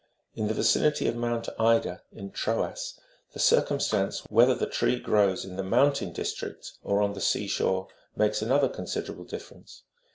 In the vicinity of Mount Ida, in Troas, the circumstance whether the tree grows in the mountain districts or on the sea shore, makes another considerable difference.